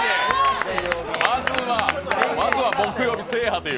まずは木曜日制覇という。